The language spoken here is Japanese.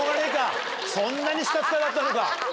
そんなにスカスカだったのか。